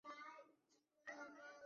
官至山西潞安府知府。